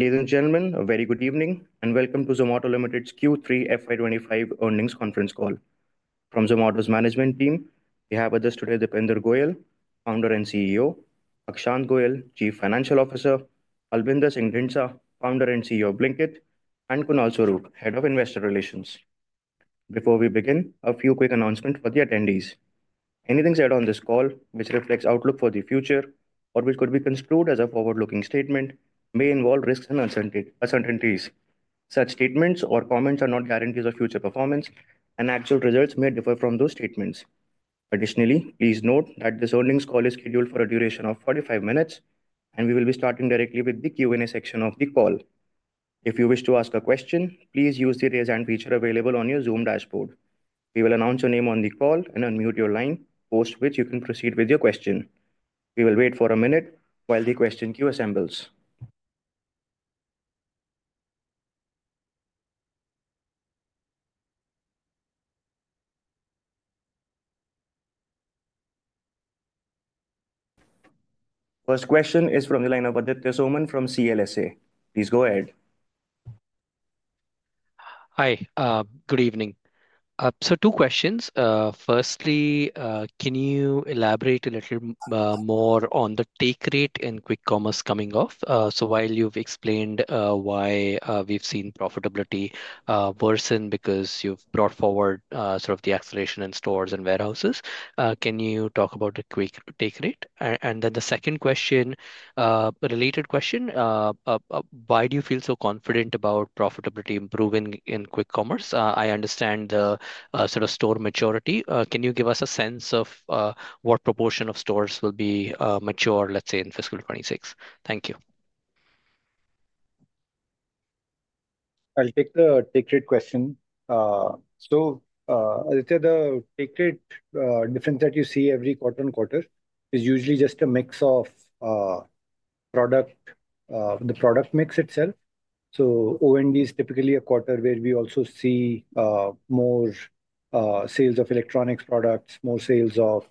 Ladies and gentlemen, a very good evening and welcome to Zomato Limited's Q3 FY25 earnings conference call. From Zomato's management team, we have with us today Deepinder Goyal, Founder and CEO, Akshant Goyal, Chief Financial Officer, Albinder Dhindsa, Founder and CEO of Blinkit, and Kunal Swarup, Head of Investor Relations. Before we begin, a few quick announcements for the attendees. Anything said on this call, which reflects outlook for the future or which could be construed as a forward-looking statement, may involve risks and uncertainties. Such statements or comments are not guarantees of future performance, and actual results may differ from those statements. Additionally, please note that this earnings call is scheduled for a duration of 45 minutes, and we will be starting directly with the Q&A section of the call. If you wish to ask a question, please use the raise hand feature available on your Zoom dashboard. We will announce your name on the call and unmute your line, post which you can proceed with your question. We will wait for a minute while the question queue assembles. First question is from the line of Aditya Soman from CLSA. Please go ahead. Hi, good evening. So two questions. Firstly, can you elaborate a little more on the take rate in quick commerce coming off? So while you've explained why we've seen profitability worsen because you've brought forward sort of the acceleration in stores and warehouses, can you talk about a quick take rate? And then the second related question, why do you feel so confident about profitability improving in quick commerce? I understand the sort of store maturity. Can you give us a sense of what proportion of stores will be mature, let's say, in fiscal 2026? Thank you. I'll take the take rate question. So the take rate difference that you see every quarter on quarter is usually just a mix of product, the product mix itself. So OND is typically a quarter where we also see more sales of electronics products, more sales of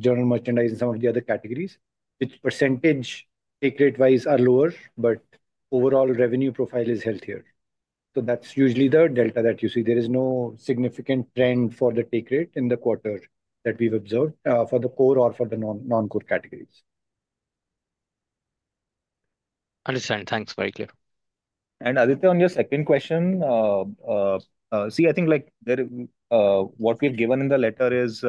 general merchandise and some of the other categories, which percentage take rate-wise are lower, but overall revenue profile is healthier. So that's usually the delta that you see. There is no significant trend for the take rate in the quarter that we've observed for the core or for the non-core categories. Understand. Thanks. Very clear. Aditya, on your second question, see, I think what we've given in the letter is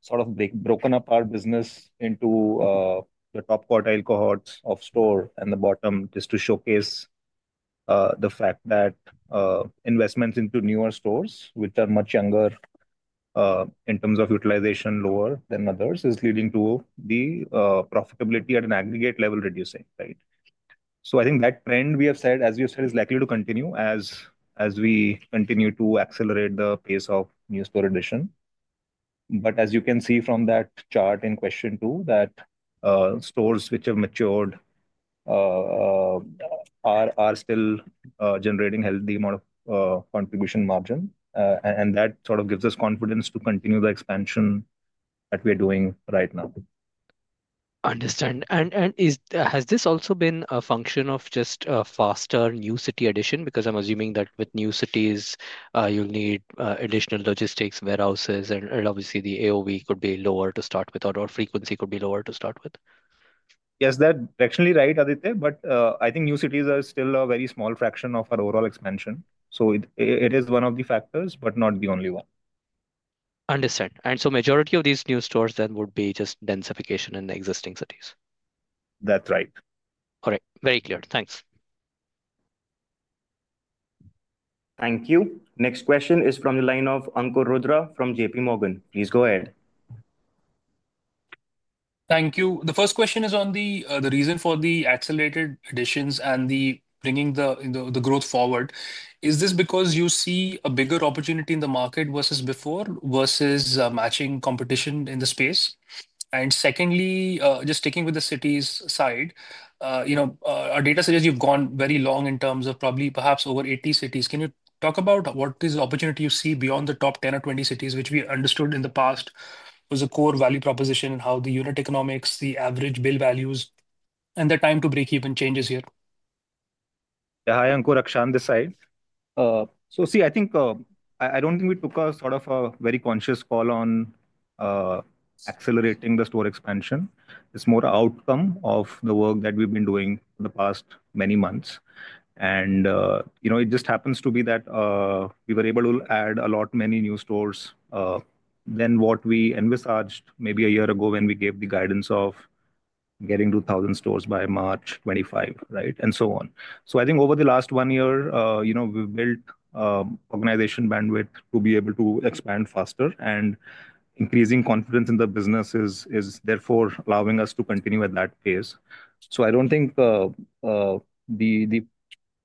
sort of broken up our business into the top quartile cohorts of store and the bottom just to showcase the fact that investments into newer stores, which are much younger in terms of utilization, lower than others, is leading to the profitability at an aggregate level reducing, right? So I think that trend we have said, as you said, is likely to continue as we continue to accelerate the pace of new store addition. But as you can see from that chart in question two, that stores which have matured are still generating a healthy amount of contribution margin. And that sort of gives us confidence to continue the expansion that we are doing right now. Understand. And has this also been a function of just faster new city addition? Because I'm assuming that with new cities, you'll need additional logistics, warehouses, and obviously the AOV could be lower to start with, or frequency could be lower to start with. Yes, that's actually right, Aditya. But I think new cities are still a very small fraction of our overall expansion. So it is one of the factors, but not the only one. Understand. And so majority of these new stores then would be just densification in the existing cities. That's right. All right. Very clear. Thanks. Thank you. Next question is from the line of Ankur Rudra from JPMorgan. Please go ahead. Thank you. The first question is on the reason for the accelerated additions and the bringing the growth forward. Is this because you see a bigger opportunity in the market versus before, versus matching competition in the space? And secondly, just sticking with the cities' side, our data suggests you've gone very long in terms of probably perhaps over 80 cities. Can you talk about what is the opportunity you see beyond the top 10 or 20 cities, which we understood in the past was a core value proposition and how the unit economics, the average bill values, and the time to break even changes here? Yeah, I'm on the side. So see, I don't think we took a sort of a very conscious call on accelerating the store expansion. It's more an outcome of the work that we've been doing in the past many months. And it just happens to be that we were able to add a lot many new stores than what we envisaged maybe a year ago when we gave the guidance of getting 2,000 stores by March 2025, right? And so on. So I think over the last one year, we've built organization bandwidth to be able to expand faster. And increasing confidence in the business is therefore allowing us to continue at that pace. So I don't think the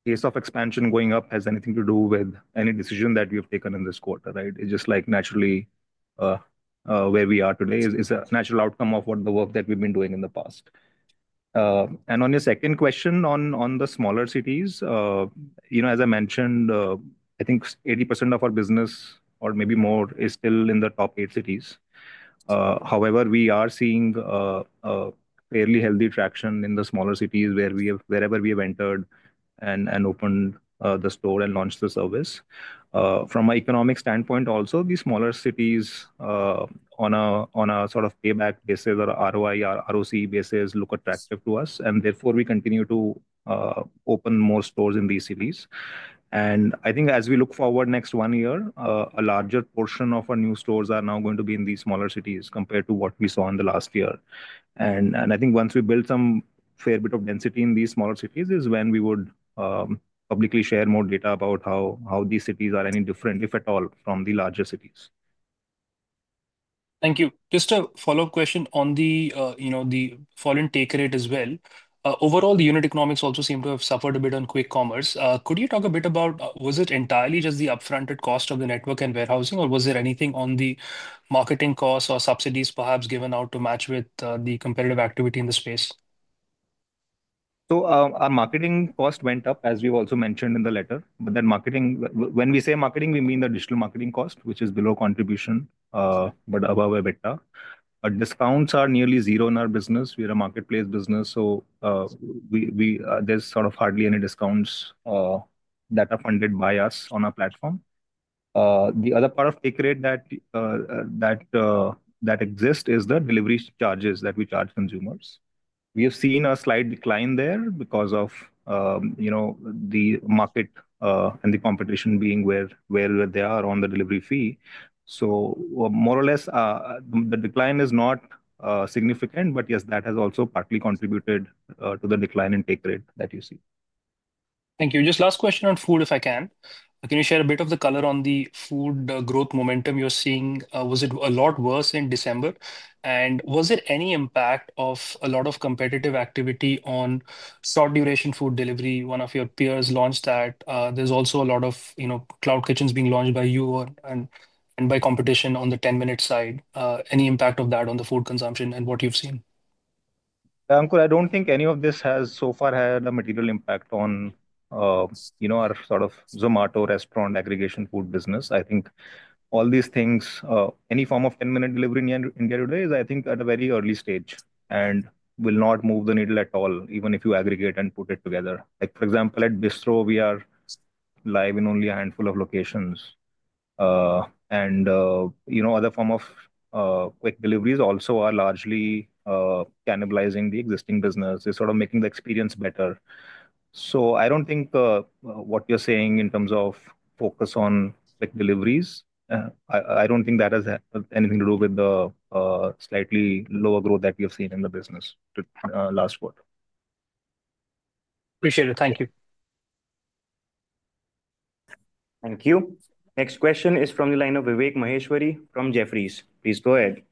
pace of expansion going up has anything to do with any decision that we have taken in this quarter, right? It's just like naturally where we are today is a natural outcome of the work that we've been doing in the past. On your second question on the smaller cities, as I mentioned, I think 80% of our business, or maybe more, is still in the top eight cities. However, we are seeing fairly healthy traction in the smaller cities wherever we have entered and opened the store and launched the service. From an economic standpoint, also, the smaller cities on a sort of payback basis or ROI or ROC basis look attractive to us. Therefore, we continue to open more stores in these cities. I think as we look forward next one year, a larger portion of our new stores are now going to be in these smaller cities compared to what we saw in the last year. I think once we build some fair bit of density in these smaller cities is when we would publicly share more data about how these cities are any different, if at all, from the larger cities. Thank you. Just a follow-up question on the falling take rate as well. Overall, the unit economics also seem to have suffered a bit on quick commerce. Could you talk a bit about was it entirely just the upfront cost of the network and warehousing, or was there anything on the marketing cost or subsidies perhaps given out to match with the competitive activity in the space? Our marketing cost went up, as we've also mentioned in the letter. Then marketing, when we say marketing, we mean the digital marketing cost, which is below contribution, but above EBITDA. Discounts are nearly zero in our business. We are a marketplace business, so there's sort of hardly any discounts that are funded by us on our platform. The other part of take rate that exists is the delivery charges that we charge consumers. We have seen a slight decline there because of the market and the competition being where they are on the delivery fee. More or less, the decline is not significant, but yes, that has also partly contributed to the decline in take rate that you see. Thank you. Just last question on food, if I can. Can you share a bit of the color on the food growth momentum you're seeing? Was it a lot worse in December? And was there any impact of a lot of competitive activity on short-duration food delivery? One of your peers launched that. There's also a lot of cloud kitchens being launched by you and by competition on the 10-minute side. Any impact of that on the food consumption and what you've seen? Ankur, I don't think any of this has so far had a material impact on our sort of Zomato restaurant aggregation food business. I think all these things, any form of 10-minute delivery in India today is, I think, at a very early stage and will not move the needle at all, even if you aggregate and put it together. For example, at Bistro, we are live in only a handful of locations, and other forms of quick deliveries also are largely cannibalizing the existing business. They're sort of making the experience better, so I don't think what you're saying in terms of focus on quick deliveries, I don't think that has anything to do with the slightly lower growth that we have seen in the business last quarter. Appreciate it. Thank you. Thank you. Next question is from the line of Vivek Maheshwari from Jefferies. Please go ahead.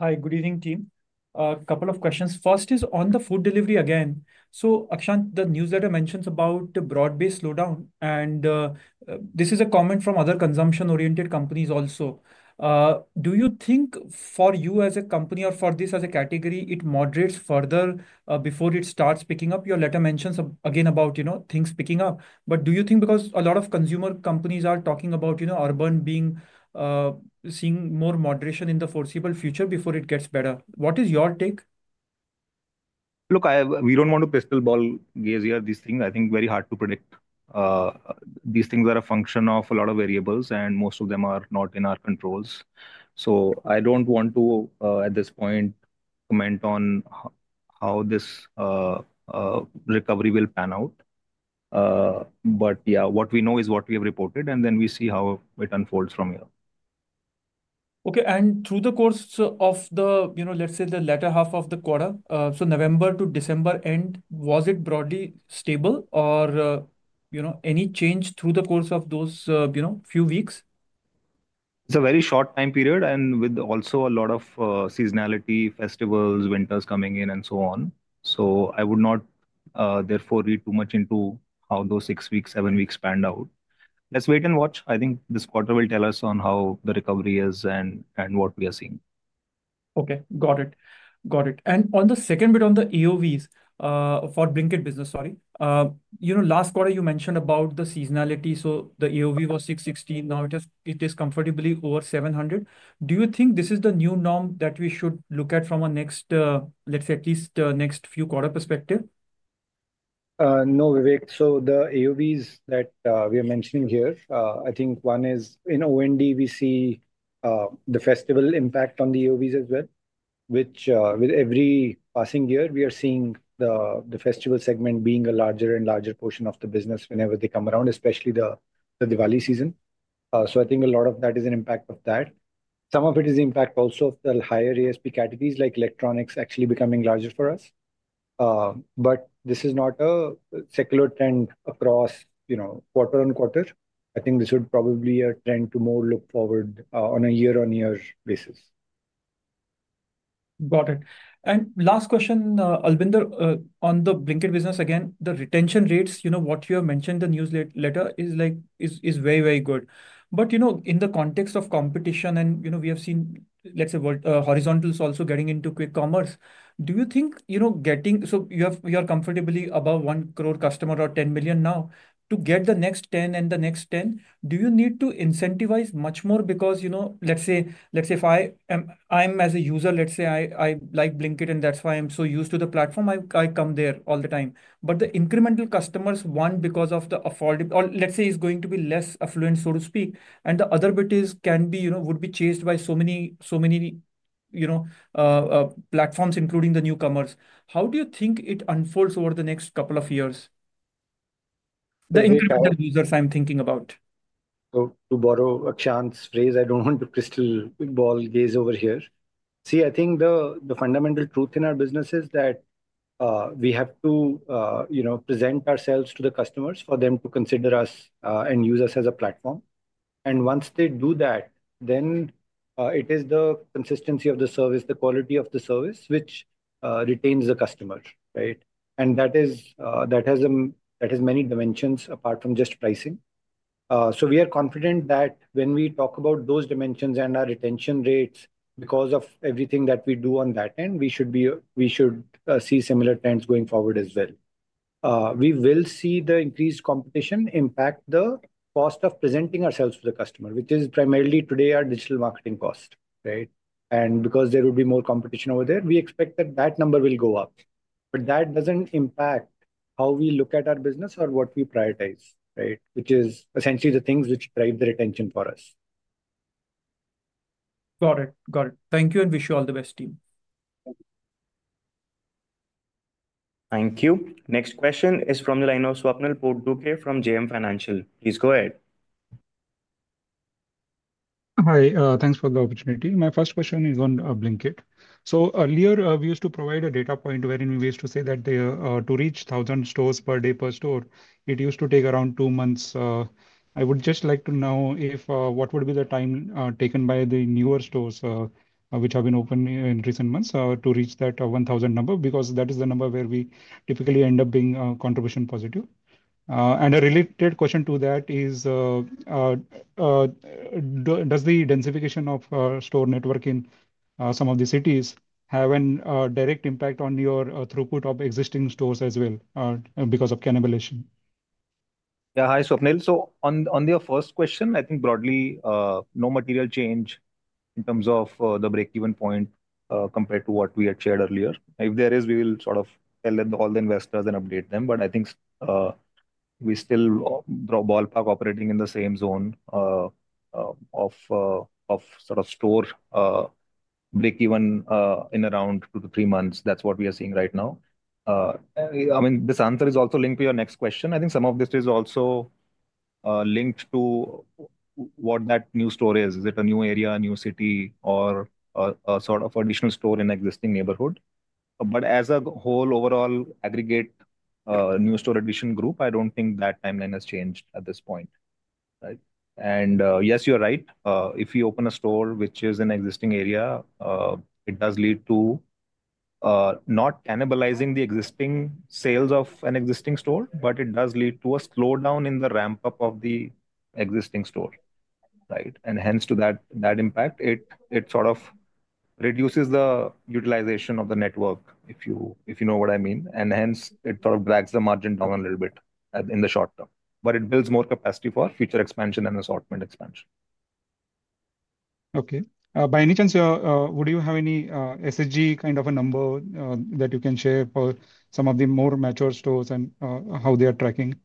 Hi, good evening, team. A couple of questions. First is on the food delivery again. So Akshant, the newsletter mentions about the broad-based slowdown. And this is a comment from other consumption-oriented companies also. Do you think for you as a company or for this as a category, it moderates further before it starts picking up? Your letter mentions again about things picking up. But do you think because a lot of consumer companies are talking about urban being seeing more moderation in the foreseeable future before it gets better, what is your take? Look, we don't want to crystal ball these things. I think very hard to predict. These things are a function of a lot of variables, and most of them are not in our controls. So I don't want to, at this point, comment on how this recovery will pan out. But yeah, what we know is what we have reported, and then we see how it unfolds from here. Okay. And through the course of the, let's say, the latter half of the quarter, so November to December end, was it broadly stable or any change through the course of those few weeks? It's a very short time period and with also a lot of seasonality, festivals, winters coming in, and so on. So I would not therefore read too much into how those six weeks, seven weeks panned out. Let's wait and watch. I think this quarter will tell us on how the recovery is and what we are seeing. Okay. Got it. Got it, and on the second bit on the AOVs for Blinkit business, sorry. Last quarter, you mentioned about the seasonality. So the AOV was 660. Now it is comfortably over 700. Do you think this is the new norm that we should look at from a next, let's say, at least next few quarter perspective? No, Vivek. So the AOVs that we are mentioning here, I think one is in OND. We see the festival impact on the AOVs as well, which with every passing year, we are seeing the festival segment being a larger and larger portion of the business whenever they come around, especially the Diwali season. So I think a lot of that is an impact of that. Some of it is the impact also of the higher ASP categories like electronics actually becoming larger for us. But this is not a secular trend across quarter on quarter. I think this would probably be a trend to more look forward on a year-on-year basis. Got it. And last question, Albinder, on the Blinkit business again, the retention rates, what you have mentioned in the newsletter is very, very good. But in the context of competition, and we have seen, let's say, horizontals also getting into quick commerce, do you think getting so you are comfortably above one crore customer or 10 million now, to get the next 10 and the next 10, do you need to incentivize much more? Because let's say if I'm as a user, let's say I like Blinkit, and that's why I'm so used to the platform, I come there all the time. But the incremental customers want because of the affordability, or let's say it's going to be less affluent, so to speak. And the other bit is can be would be chased by so many platforms, including the newcomers. How do you think it unfolds over the next couple of years? The incremental users I'm thinking about. So to borrow Akshant's phrase, I don't want to crystal ball gaze over here. See, I think the fundamental truth in our business is that we have to present ourselves to the customers for them to consider us and use us as a platform. And once they do that, then it is the consistency of the service, the quality of the service, which retains the customer, right? And that has many dimensions apart from just pricing. So we are confident that when we talk about those dimensions and our retention rates, because of everything that we do on that end, we should see similar trends going forward as well. We will see the increased competition impact the cost of presenting ourselves to the customer, which is primarily today our digital marketing cost, right? And because there will be more competition over there, we expect that that number will go up. But that doesn't impact how we look at our business or what we prioritize, right? Which is essentially the things which drive the retention for us. Got it. Got it. Thank you and wish you all the best, team. Thank you. Next question is from the line of Swapnil Potdukhe from JM Financial. Please go ahead. Hi. Thanks for the opportunity. My first question is on Blinkit. So earlier, we used to provide a data point wherein we used to say that to reach 1,000 stores per day per store, it used to take around two months. I would just like to know what would be the time taken by the newer stores which have been open in recent months to reach that 1,000 number, because that is the number where we typically end up being contribution positive. And a related question to that is, does the densification of store network in some of the cities have a direct impact on your throughput of existing stores as well because of cannibalization? Yeah, hi, Swapnil. So, on your first question, I think broadly, no material change in terms of the break-even point compared to what we had shared earlier. If there is, we will sort of tell all the investors and update them. But I think we still draw ballpark operating in the same zone of sort of store break-even in around two to three months. That's what we are seeing right now. I mean, this answer is also linked to your next question. I think some of this is also linked to what that new store is. Is it a new area, a new city, or a sort of additional store in an existing neighborhood? But as a whole, overall aggregate new store addition group, I don't think that timeline has changed at this point, right? And yes, you're right. If you open a store which is in an existing area, it does lead to not cannibalizing the existing sales of an existing store, but it does lead to a slowdown in the ramp-up of the existing store, right? And hence to that impact, it sort of reduces the utilization of the network, if you know what I mean. And hence, it sort of drags the margin down a little bit in the short term. But it builds more capacity for future expansion and assortment expansion. Okay. By any chance, would you have any SSG kind of a number that you can share for some of the more mature stores and how they are tracking? See,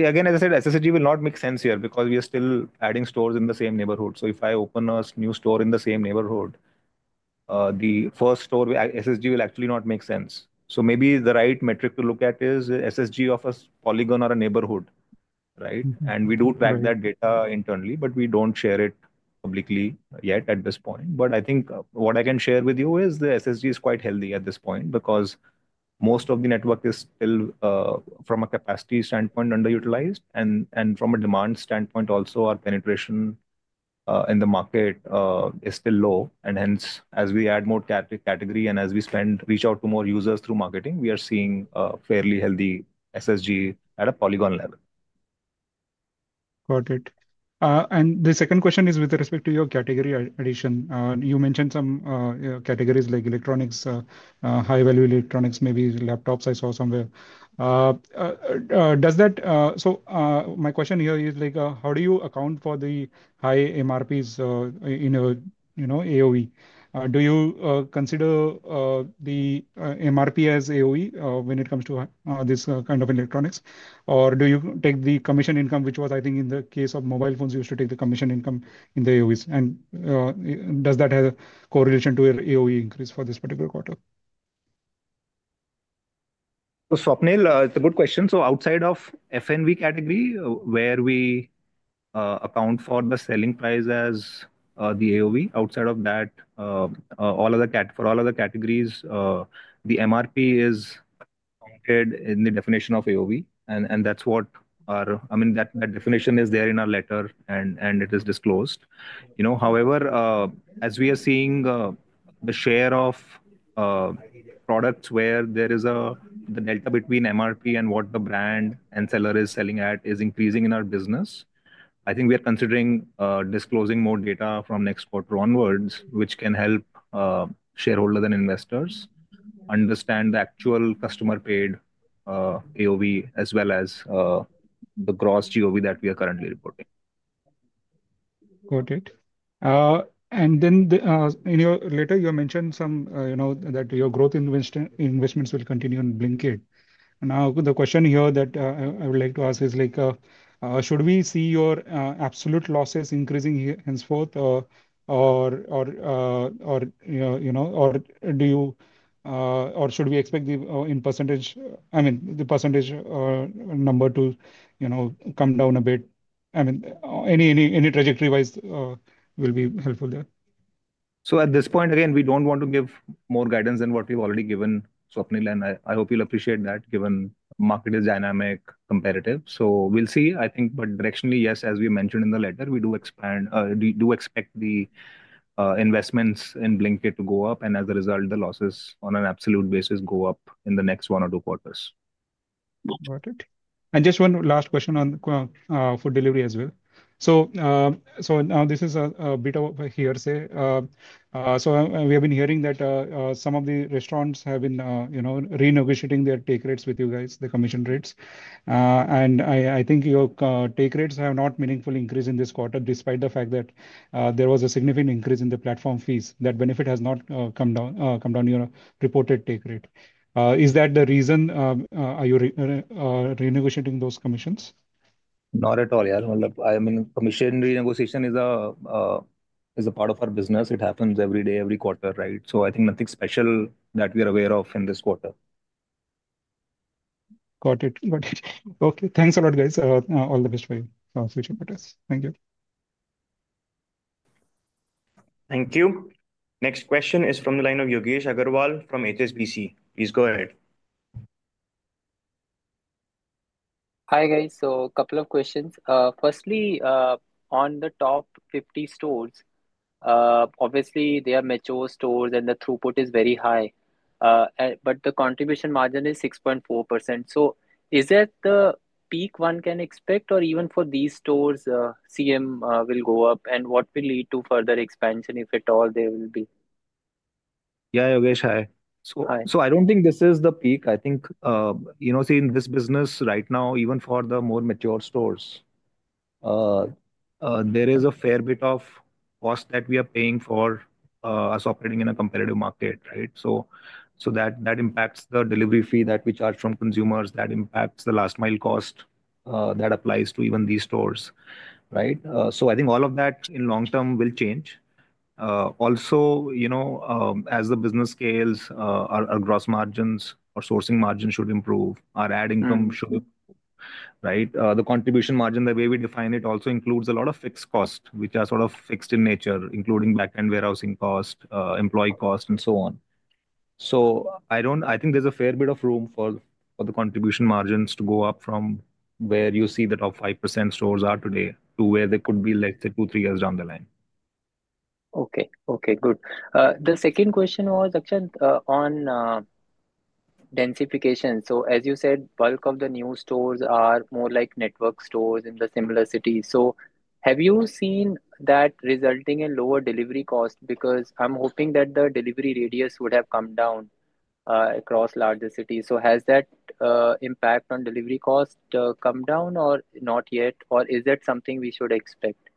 again, as I said, SSG will not make sense here because we are still adding stores in the same neighborhood. So if I open a new store in the same neighborhood, the first store, SSG will actually not make sense. So maybe the right metric to look at is SSG of a polygon or a neighborhood, right? And we do track that data internally, but we don't share it publicly yet at this point. But I think what I can share with you is the SSG is quite healthy at this point because most of the network is still, from a capacity standpoint, underutilized. And from a demand standpoint also, our penetration in the market is still low. And hence, as we add more category and as we reach out to more users through marketing, we are seeing a fairly healthy SSG at a polygon level. Got it. And the second question is with respect to your category addition. You mentioned some categories like electronics, high-value electronics, maybe laptops, I saw somewhere. So my question here is, how do you account for the high MRPs in your AOV? Do you consider the MRP as AOV when it comes to this kind of electronics? Or do you take the commission income, which was, I think, in the case of mobile phones, you used to take the commission income in the AOVs? And does that have a correlation to your AOV increase for this particular quarter? Swapnil, it's a good question. Outside of F&V category, where we account for the selling price as the AOV, outside of that, for all other categories, the MRP is counted in the definition of AOV. That's what our I mean, that definition is there in our letter, and it is disclosed. However, as we are seeing the share of products where there is a delta between MRP and what the brand and seller is selling at is increasing in our business. I think we are considering disclosing more data from next quarter onwards, which can help shareholders and investors understand the actual customer-paid AOV as well as the gross GOV that we are currently reporting. Got it. And then in your letter, you mentioned that your growth investments will continue in Blinkit. Now, the question here that I would like to ask is, should we see your absolute losses increasing henceforth, or should we expect the percentage number to come down a bit? I mean, any trajectory-wise will be helpful there. So at this point, again, we don't want to give more guidance than what we've already given, Swapnil. And I hope you'll appreciate that given the market is dynamic, competitive. So we'll see, I think. But directionally, yes, as we mentioned in the letter, we do expect the investments in Blinkit to go up. And as a result, the losses on an absolute basis go up in the next one or two quarters. Got it. And just one last question on food delivery as well. So now this is a bit of a hearsay. So we have been hearing that some of the restaurants have been renegotiating their take rates with you guys, the commission rates. And I think your take rates have not meaningfully increased in this quarter despite the fact that there was a significant increase in the platform fees. That benefit has not come down, your reported take rate. Is that the reason you're renegotiating those commissions? Not at all, Al. I mean, commission renegotiation is a part of our business. It happens every day, every quarter, right? So I think nothing special that we are aware of in this quarter. Got it. Got it. Okay. Thanks a lot, guys. All the best for you for future quarters. Thank you. Thank you. Next question is from the line of Yogesh Aggarwal from HSBC. Please go ahead. Hi, guys. So a couple of questions. Firstly, on the top 50 stores, obviously, they are mature stores and the throughput is very high. But the contribution margin is 6.4%. So is that the peak one can expect, or even for these stores, CM will go up? And what will lead to further expansion, if at all, there will be? Yeah, Yogesh, hi. So I don't think this is the peak. I think, see, in this business right now, even for the more mature stores, there is a fair bit of cost that we are paying for us operating in a competitive market, right? So that impacts the delivery fee that we charge from consumers. That impacts the last-mile cost that applies to even these stores, right? So I think all of that in long term will change. Also, as the business scales, our gross margins or sourcing margins should improve. Our ad income should improve, right? The contribution margin, the way we define it, also includes a lot of fixed costs, which are sort of fixed in nature, including back-end warehousing cost, employee cost, and so on. So I think there's a fair bit of room for the contribution margins to go up from where you see the top 5% stores are today to where they could be, let's say, two, three years down the line. Okay. Okay, good. The second question was, Akshant, on densification. So as you said, bulk of the new stores are more like network stores in the similar cities. So have you seen that resulting in lower delivery cost? Because I'm hoping that the delivery radius would have come down across larger cities. So has that impact on delivery cost come down or not yet? Or is that something we should expect?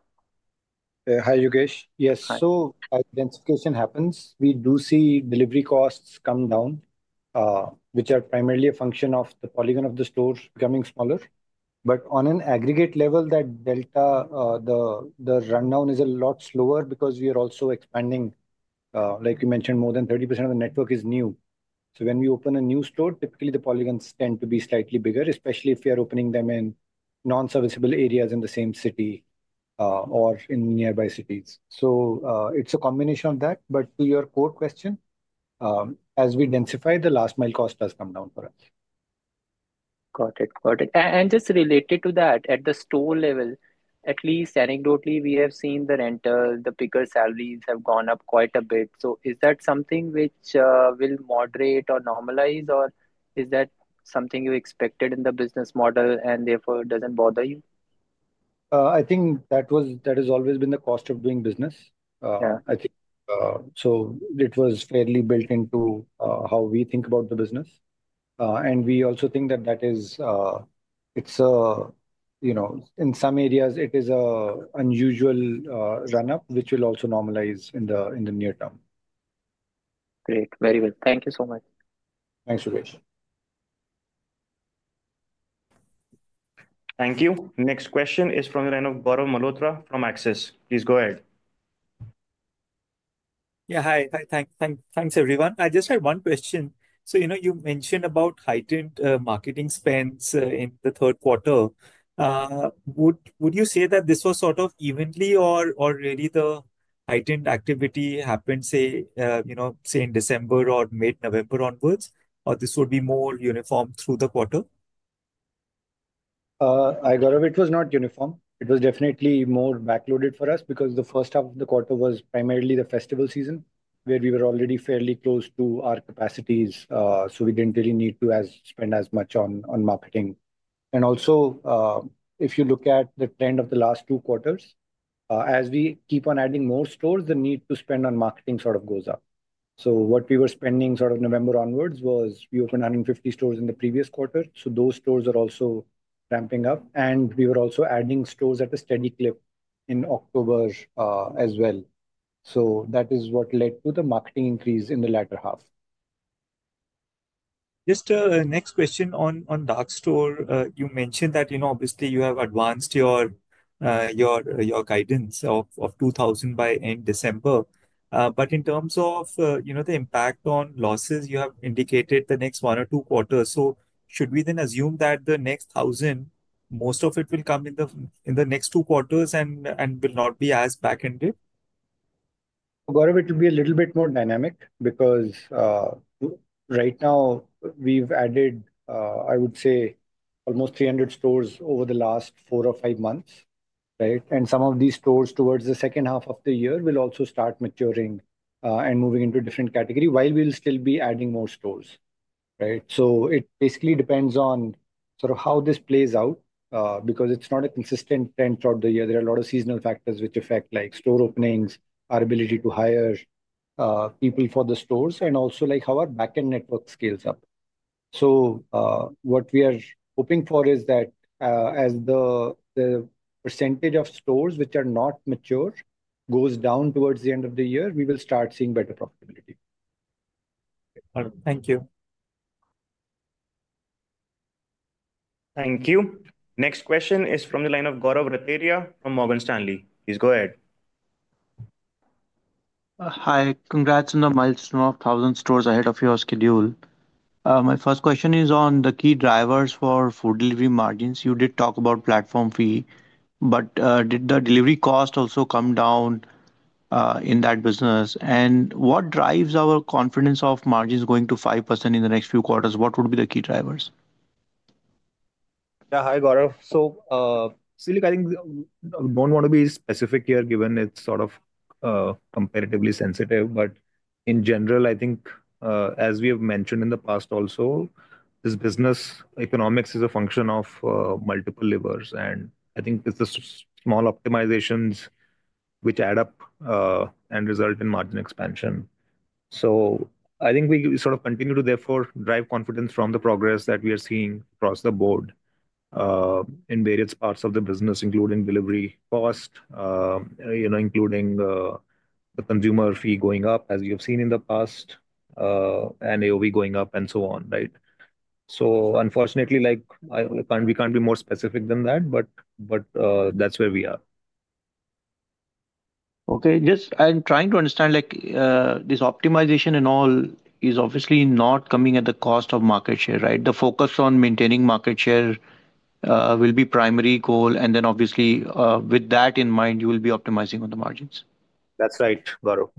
Hi, Yogesh. Yes. So as densification happens, we do see delivery costs come down, which are primarily a function of the polygon of the stores becoming smaller. But on an aggregate level, that delta, the rundown is a lot slower because we are also expanding, like you mentioned, more than 30% of the network is new. So when we open a new store, typically, the polygons tend to be slightly bigger, especially if we are opening them in non-serviceable areas in the same city or in nearby cities. So it's a combination of that. But to your core question, as we densify, the last-mile cost has come down for us. Got it. Got it. And just related to that, at the store level, at least anecdotally, we have seen the rental, the picker salaries have gone up quite a bit. So is that something which will moderate or normalize, or is that something you expected in the business model and therefore doesn't bother you? I think that has always been the cost of doing business. I think so it was fairly built into how we think about the business. And we also think that it's, in some areas, it is an unusual run-up, which will also normalize in the near term. Great. Very good. Thank you so much. Thanks, Yogesh. Thank you. Next question is from the line of Gaurav Malhotra from Axis. Please go ahead. Yeah, hi. Thanks, everyone. I just had one question. So you mentioned about heightened marketing spends in the third quarter. Would you say that this was sort of evenly, or really the heightened activity happened, say, in December or mid-November onwards, or this would be more uniform through the quarter? I got it. It was not uniform. It was definitely more backloaded for us because the first half of the quarter was primarily the festival season, where we were already fairly close to our capacities. So we didn't really need to spend as much on marketing. And also, if you look at the trend of the last two quarters, as we keep on adding more stores, the need to spend on marketing sort of goes up. So what we were spending sort of November onwards was we opened 150 stores in the previous quarter. So those stores are also ramping up. And we were also adding stores at a steady clip in October as well. So that is what led to the marketing increase in the latter half. Just a next question on dark store. You mentioned that obviously you have advanced your guidance of 2,000 by end December. But in terms of the impact on losses, you have indicated the next one or two quarters. So should we then assume that the next thousand, most of it will come in the next two quarters and will not be as back-ended? I got it. It will be a little bit more dynamic because right now, we've added, I would say, almost 300 stores over the last four or five months, right? And some of these stores towards the second half of the year will also start maturing and moving into a different category while we'll still be adding more stores, right? So it basically depends on sort of how this plays out because it's not a consistent trend throughout the year. There are a lot of seasonal factors which affect store openings, our ability to hire people for the stores, and also how our back-end network scales up. So what we are hoping for is that as the percentage of stores which are not mature goes down towards the end of the year, we will start seeing better profitability. Thank you. Thank you. Next question is from the line of Gaurav Rateria from Morgan Stanley. Please go ahead. Hi. Congrats on the milestone of 1,000 stores ahead of your schedule. My first question is on the key drivers for food delivery margins. You did talk about platform fee. But did the delivery cost also come down in that business? And what drives our confidence of margins going to 5% in the next few quarters? What would be the key drivers? Yeah, hi, Gaurav. So I think I don't want to be specific here given it's sort of comparatively sensitive. But in general, I think as we have mentioned in the past also, this business economics is a function of multiple levers. And I think it's the small optimizations which add up and result in margin expansion. So I think we sort of continue to therefore drive confidence from the progress that we are seeing across the board in various parts of the business, including delivery cost, including the consumer fee going up, as you have seen in the past, and AOV going up, and so on, right? So unfortunately, we can't be more specific than that, but that's where we are. Okay. Just, I'm trying to understand this optimization and all is obviously not coming at the cost of market share, right? The focus on maintaining market share will be the primary goal, and then obviously, with that in mind, you will be optimizing on the margins. That's right, Gaurav.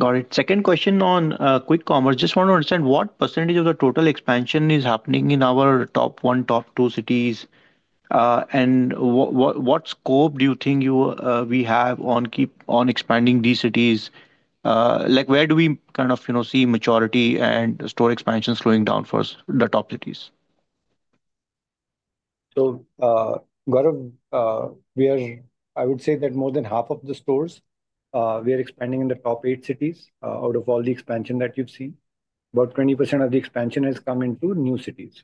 Got it. Second question on quick commerce. Just want to understand what percentage of the total expansion is happening in our top one, top two cities? And what scope do you think we have on expanding these cities? Where do we kind of see maturity and store expansion slowing down for the top cities? So Gaurav, I would say that more than half of the stores we are expanding in the top eight cities out of all the expansion that you've seen. About 20% of the expansion has come into new cities.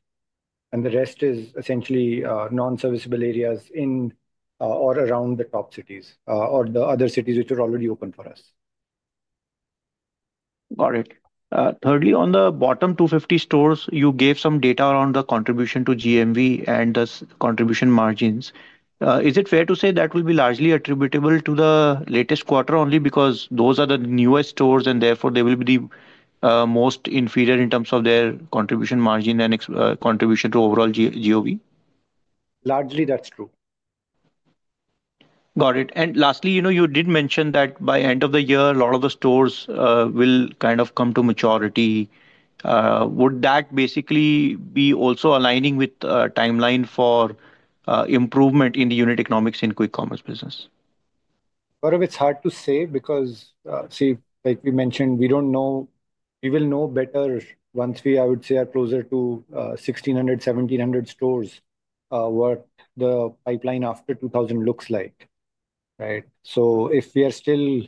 And the rest is essentially non-serviceable areas in or around the top cities or the other cities which are already open for us. Got it. Thirdly, on the bottom 250 stores, you gave some data around the contribution to GMV and the contribution margins. Is it fair to say that will be largely attributable to the latest quarter only because those are the newest stores and therefore they will be the most inferior in terms of their contribution margin and contribution to overall GOV? Largely, that's true. Got it. And lastly, you did mention that by end of the year, a lot of the stores will kind of come to maturity. Would that basically be also aligning with a timeline for improvement in the unit economics in quick commerce business? Gaurav, it's hard to say because, see, like we mentioned, we will know better once we, I would say, are closer to 1,600, 1,700 stores what the pipeline after 2,000 looks like, right? So if we are still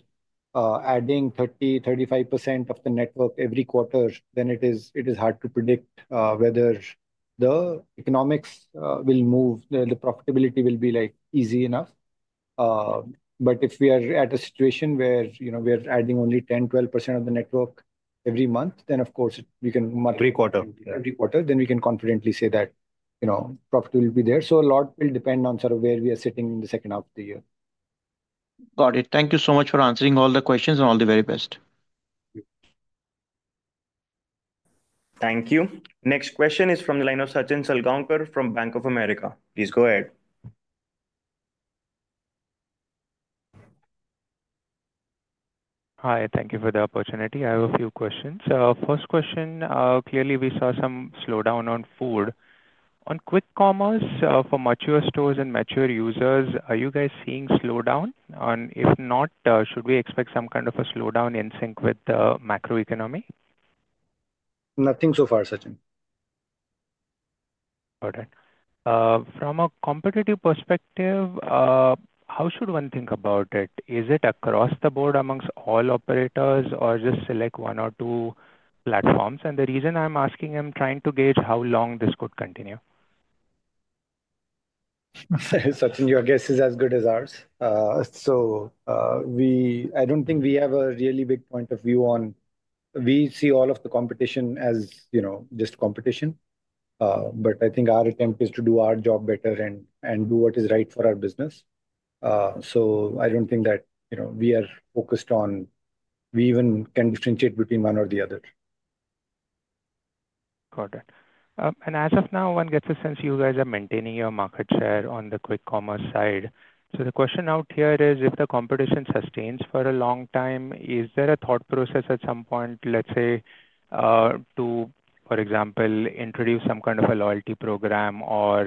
adding 30%-35% of the network every quarter, then it is hard to predict whether the economics will move, the profitability will be easy enough. But if we are at a situation where we are adding only 10%-12% of the network every month, then of course, we can much. Every quarter. Every quarter, then we can confidently say that profitability will be there. A lot will depend on sort of where we are sitting in the second half of the year. Got it. Thank you so much for answering all the questions and all the very best. Thank you. Next question is from the line of Sachin Salgaonkar from Bank of America. Please go ahead. Hi. Thank you for the opportunity. I have a few questions. First question, clearly we saw some slowdown on food. On quick commerce for mature stores and mature users, are you guys seeing slowdown? And if not, should we expect some kind of a slowdown in sync with the macroeconomy? Nothing so far, Sachin. Got it. From a competitive perspective, how should one think about it? Is it across the board among all operators or just select one or two platforms? And the reason I'm asking, I'm trying to gauge how long this could continue. Sachin, your guess is as good as ours. So I don't think we have a really big point of view on we see all of the competition as just competition. But I think our attempt is to do our job better and do what is right for our business. So I don't think that we are focused on we even can differentiate between one or the other. Got it. And as of now, one gets a sense you guys are maintaining your market share on the quick commerce side. So the question out here is, if the competition sustains for a long time, is there a thought process at some point, let's say, to, for example, introduce some kind of a loyalty program or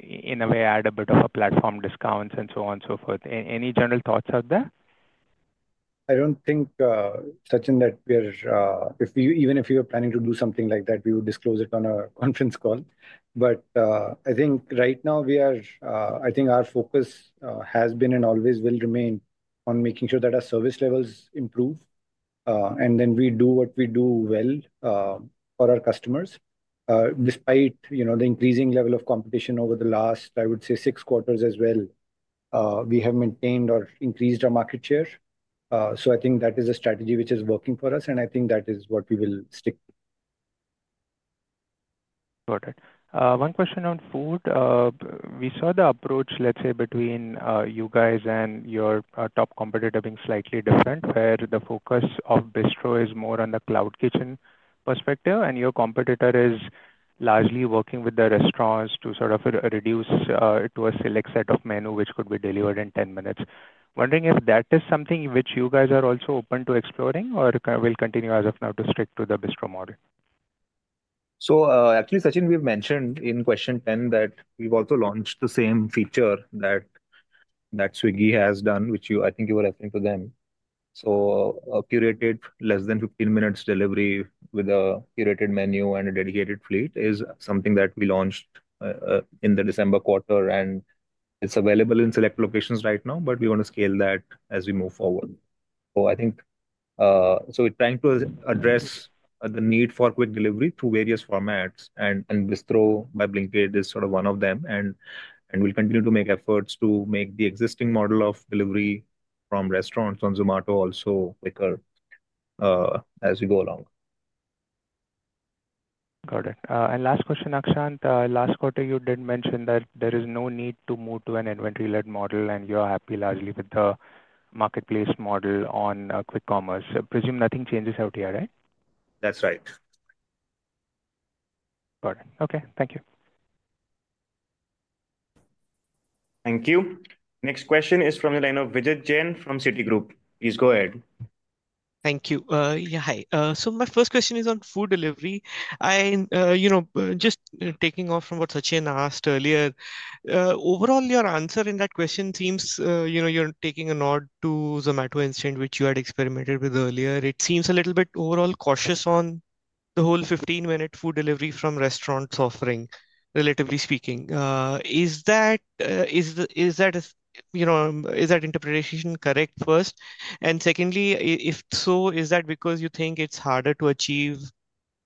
in a way add a bit of a platform discounts and so on and so forth? Any general thoughts out there? I don't think, Sachin, that we are. Even if we were planning to do something like that, we would disclose it on a conference call. But I think right now, I think our focus has been and always will remain on making sure that our service levels improve, and then we do what we do well for our customers. Despite the increasing level of competition over the last, I would say, six quarters as well, we have maintained or increased our market share, so I think that is a strategy which is working for us, and I think that is what we will stick to. Got it. One question on food. We saw the approach, let's say, between you guys and your top competitor being slightly different, where the focus of Bistro is more on the cloud kitchen perspective, and your competitor is largely working with the restaurants to sort of reduce to a select set of menu which could be delivered in 10 minutes. Wondering if that is something which you guys are also open to exploring or will continue as of now to stick to the Bistro model? So actually, Sachin, we've mentioned in question 10 that we've also launched the same feature that Swiggy has done, which I think you were referring to them. So curated less than 15 minutes delivery with a curated menu and a dedicated fleet is something that we launched in the December quarter. And it's available in select locations right now, but we want to scale that as we move forward. So I think we're trying to address the need for quick delivery through various formats. And Bistro by Blinkit is sort of one of them. And we'll continue to make efforts to make the existing model of delivery from restaurants on Zomato also quicker as we go along. Got it. And last question, Akshant. Last quarter, you did mention that there is no need to move to an inventory-led model, and you are happy largely with the marketplace model on quick commerce. Presume nothing changes out here, right? That's right. Got it. Okay. Thank you. Thank you. Next question is from the line of Vijit Jain from Citigroup. Please go ahead. Thank you. Yeah, hi. So my first question is on food delivery. Just taking off from what Sachin asked earlier, overall, your answer in that question seems you're taking a nod to Zomato Instant, which you had experimented with earlier. It seems a little bit overall cautious on the whole 15-minute food delivery from restaurants offering, relatively speaking. Is that interpretation correct first? And secondly, if so, is that because you think it's harder to achieve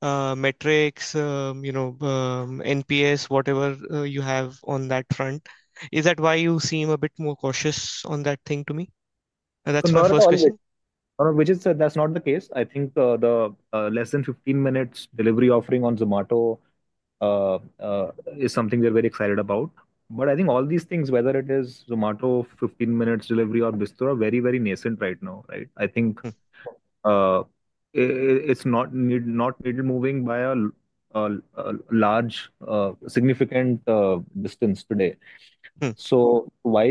metrics, NPS, whatever you have on that front? Is that why you seem a bit more cautious on that thing to me? That's my first question. Vijit, that's not the case. I think the less than 15-minute delivery offering on Zomato is something we're very excited about. But I think all these things, whether it is Zomato 15-minute delivery or Bistro, are very, very nascent right now, right? I think it's not moving by a large, significant distance today. So what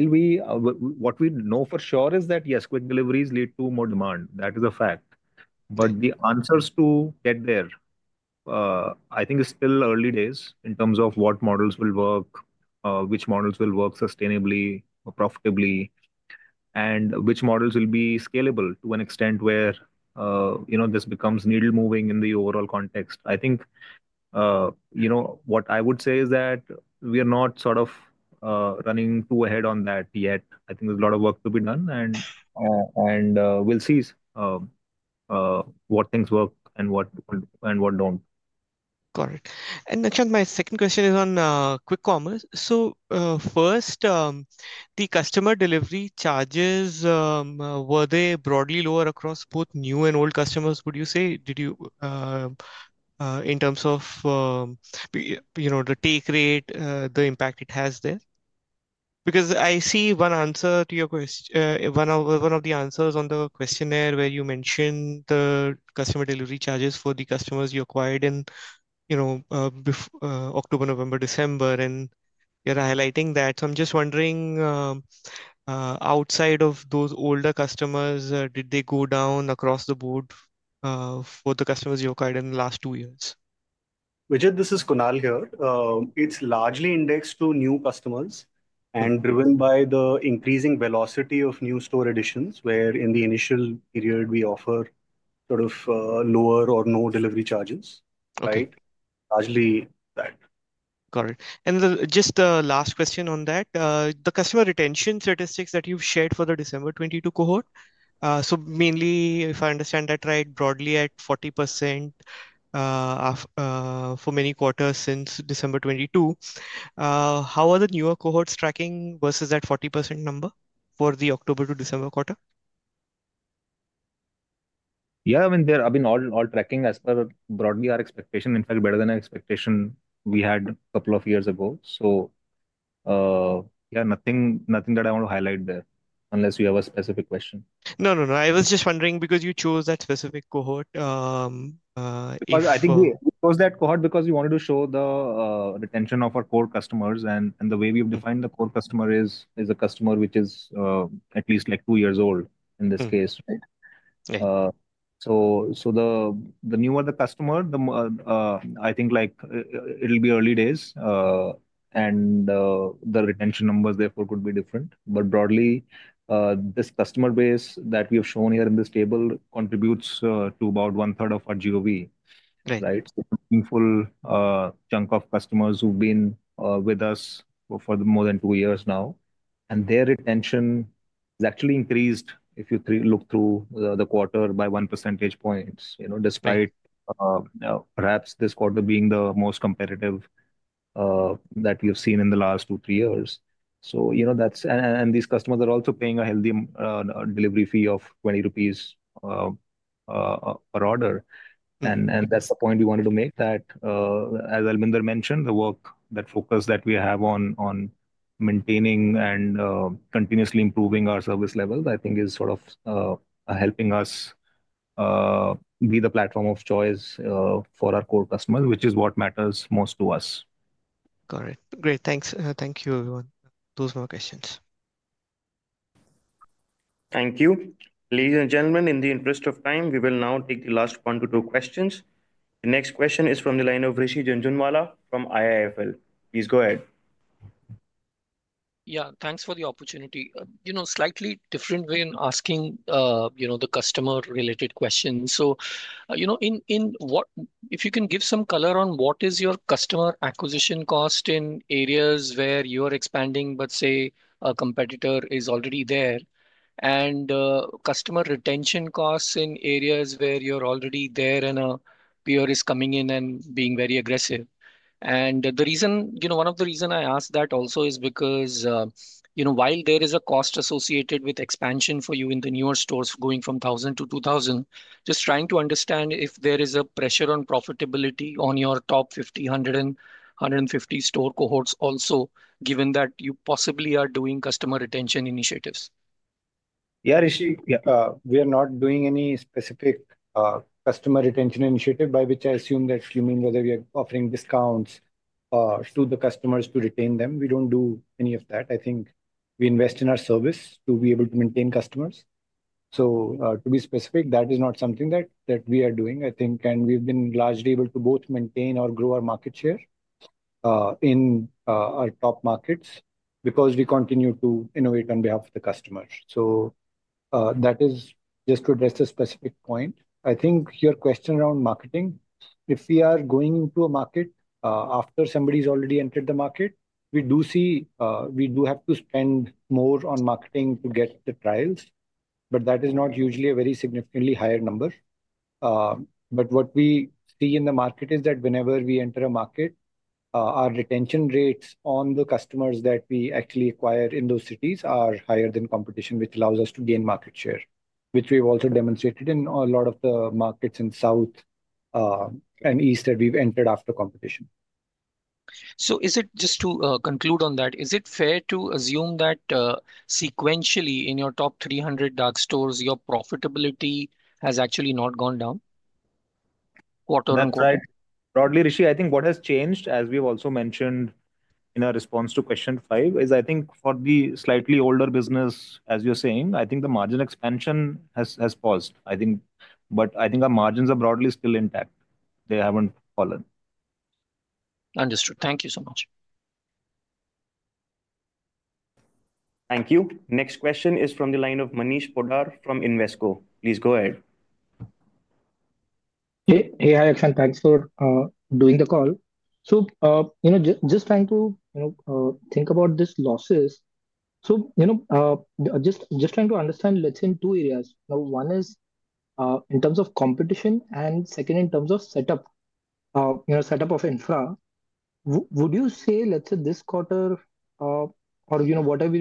we know for sure is that, yes, quick deliveries lead to more demand. That is a fact. But the answers to get there, I think, is still early days in terms of what models will work, which models will work sustainably or profitably, and which models will be scalable to an extent where this becomes needle-moving in the overall context. I think what I would say is that we are not sort of running too ahead on that yet. I think there's a lot of work to be done. We'll see what things work and what don't. Got it. And Akshant, my second question is on quick commerce. So first, the customer delivery charges, were they broadly lower across both new and old customers, would you say, in terms of the take rate, the impact it has there? Because I see one answer to your question, one of the answers on the questionnaire where you mentioned the customer delivery charges for the customers you acquired in October, November, December. And you're highlighting that. So I'm just wondering, outside of those older customers, did they go down across the board for the customers you acquired in the last two years? Vijit, this is Kunal here. It's largely indexed to new customers and driven by the increasing velocity of new store additions where in the initial period, we offer sort of lower or no delivery charges, right? Largely that. Got it. And just the last question on that, the customer retention statistics that you've shared for the December 2022 cohort, so mainly, if I understand that right, broadly at 40% for many quarters since December 2022, how are the newer cohorts tracking versus that 40% number for the October to December quarter? Yeah, I mean, they're all tracking as per broadly our expectation, in fact, better than our expectation we had a couple of years ago. So yeah, nothing that I want to highlight there unless you have a specific question. No, no, no. I was just wondering because you chose that specific cohort. I think we chose that cohort because we wanted to show the retention of our core customers. And the way we've defined the core customer is a customer which is at least like two years old in this case, right? So the newer the customer, I think it'll be early days. And the retention numbers, therefore, could be different. But broadly, this customer base that we have shown here in this table contributes to about one-third of our GOV, right? So a meaningful chunk of customers who've been with us for more than two years now. And their retention has actually increased if you look through the quarter by one percentage point, despite perhaps this quarter being the most competitive that we have seen in the last two, three years. So and these customers are also paying a healthy delivery fee of 20 rupees per order. That's the point we wanted to make that, as Albinder mentioned, the work, that focus that we have on maintaining and continuously improving our service levels, I think, is sort of helping us be the platform of choice for our core customers, which is what matters most to us. Got it. Great. Thanks. Thank you, everyone. Those were my questions. Thank you. Ladies and gentlemen, in the interest of time, we will now take the last one to two questions. The next question is from the line of Rishi Jhunjhunwala from IIFL. Please go ahead. Yeah. Thanks for the opportunity. Slightly different way in asking the customer-related questions, so if you can give some color on what is your customer acquisition cost in areas where you are expanding, but say a competitor is already there, and customer retention costs in areas where you're already there and a peer is coming in and being very aggressive, and one of the reasons I ask that also is because while there is a cost associated with expansion for you in the newer stores going from 1,000 to 2,000. Just trying to understand if there is a pressure on profitability on your top 50, 100, and 150 store cohorts also, given that you possibly are doing customer retention initiatives. Yeah, Rishi, we are not doing any specific customer retention initiative by which I assume that you mean whether we are offering discounts to the customers to retain them. We don't do any of that. I think we invest in our service to be able to maintain customers. So to be specific, that is not something that we are doing, I think. And we've been largely able to both maintain or grow our market share in our top markets because we continue to innovate on behalf of the customers. So that is just to address a specific point. I think your question around marketing, if we are going into a market after somebody's already entered the market, we do see we have to spend more on marketing to get the trials. But that is not usually a very significantly higher number. But what we see in the market is that whenever we enter a market, our retention rates on the customers that we actually acquire in those cities are higher than competition, which allows us to gain market share, which we have also demonstrated in a lot of the markets in South and East that we've entered after competition. So just to conclude on that, is it fair to assume that sequentially in your top 300 dark stores, your profitability has actually not gone down? That's right. Broadly, Rishi, I think what has changed, as we've also mentioned in our response to question five, is I think for the slightly older business, as you're saying, I think the margin expansion has paused. But I think our margins are broadly still intact. They haven't fallen. Understood. Thank you so much. Thank you. Next question is from the line of Manish Poddar from Invesco. Please go ahead. Hey, hi Akshant. Thanks for doing the call, so just trying to think about these losses, so just trying to understand, let's say, in two areas. Now, one is in terms of competition and second in terms of setup of infra. Would you say, let's say, this quarter or whatever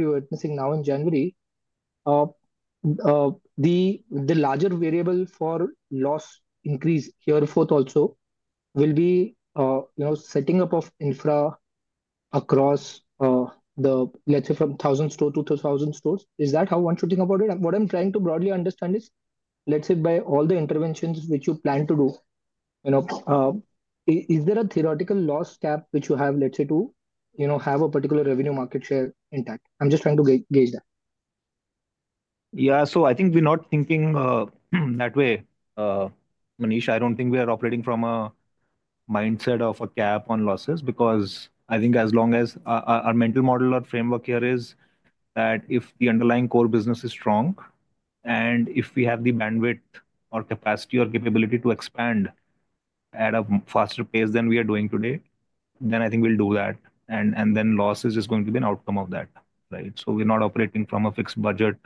you're witnessing now in January, the larger variable for loss increase hereafter also will be setting up of infra across, let's say, from 1,000 stores to 2,000 stores? Is that how one should think about it? What I'm trying to broadly understand is, let's say, by all the interventions which you plan to do, is there a theoretical loss cap which you have, let's say, to have a particular revenue market share intact? I'm just trying to gauge that. Yeah. So I think we're not thinking that way. Manish, I don't think we are operating from a mindset of a cap on losses because I think as long as our mental model or framework here is that if the underlying core business is strong and if we have the bandwidth or capacity or capability to expand at a faster pace than we are doing today, then I think we'll do that. And then losses is going to be an outcome of that, right? So we're not operating from a fixed budget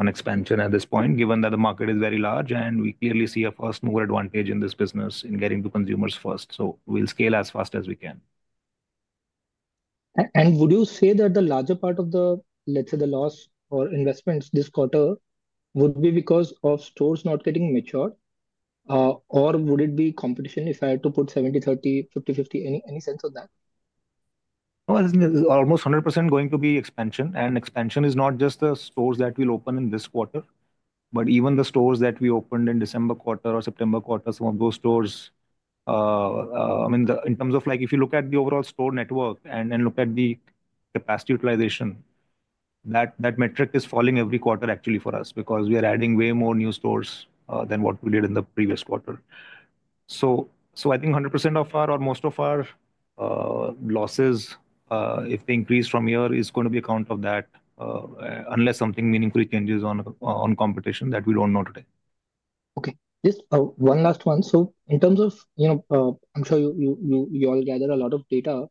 on expansion at this point, given that the market is very large. And we clearly see a first-mover advantage in this business in getting to consumers first. So we'll scale as fast as we can. Would you say that the larger part of the, let's say, the loss or investments this quarter would be because of stores not getting matured? Or would it be competition if I had to put 70/30, 50/50, any sense of that? I think almost 100% going to be expansion. And expansion is not just the stores that we'll open in this quarter, but even the stores that we opened in December quarter or September quarter, some of those stores. I mean, in terms of if you look at the overall store network and look at the capacity utilization, that metric is falling every quarter, actually, for us because we are adding way more new stores than what we did in the previous quarter. So I think 100% of our or most of our losses, if they increase from here, is going to be account of that unless something meaningfully changes on competition that we don't know today. Okay. Just one last one. So in terms of, I'm sure you all gather a lot of data.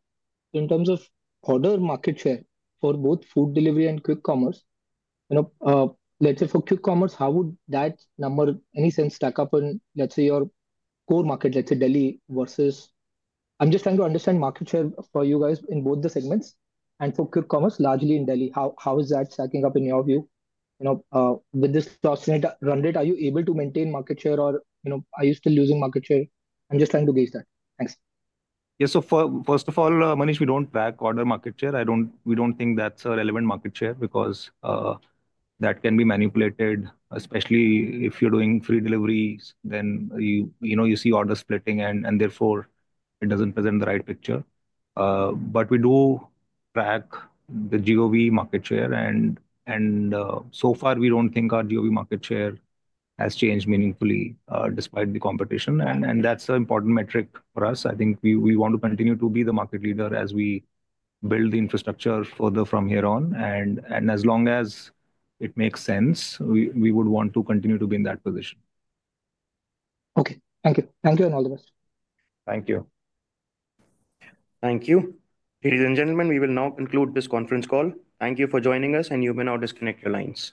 In terms of order market share for both food delivery and quick commerce, let's say, for quick commerce, how would that number, in any sense, stack up in, let's say, your core market, let's say, Delhi versus I'm just trying to understand market share for you guys in both the segments. And for quick commerce, largely in Delhi, how is that stacking up in your view? With this run rate, are you able to maintain market share or are you still losing market share? I'm just trying to gauge that. Thanks. Yeah, so first of all, Manish, we don't track order market share. We don't think that's a relevant market share because that can be manipulated, especially if you're doing free deliveries, then you see order splitting, and therefore, it doesn't present the right picture, but we do track the GOV market share, and so far, we don't think our GOV market share has changed meaningfully despite the competition. And that's an important metric for us. I think we want to continue to be the market leader as we build the infrastructure further from here on, and as long as it makes sense, we would want to continue to be in that position. Okay. Thank you. Thank you, and all the best. Thank you. Thank you. Ladies and gentlemen, we will now conclude this conference call. Thank you for joining us, and you may now disconnect your lines.